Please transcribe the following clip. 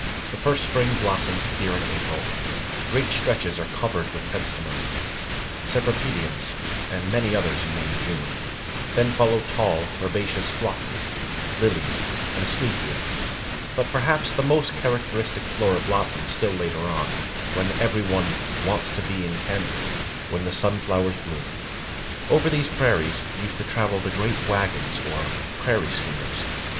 The first spring blossoms appear in April; great stretches are covered with Pentstemons, Cypripediums, and many others in May and June; then follow tall, herbaceous Phloxes, Lilies, and Asclepiads, but perhaps the most characteristic flora blossoms still later on, when every one "wants to be in Kansas when the Sunflowers bloom." Over these prairies used to travel the great wagons or "prairie schooners."